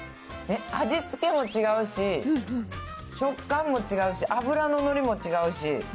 味付けも違うし、食感も違うし、脂の乗りも違うし。